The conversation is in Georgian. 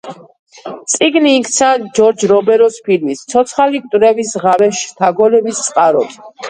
წიგნი იქცა ჯორჯ რომეროს ფილმის, „ცოცხალი მკვდრების ღამე“ შთაგონების წყაროდ.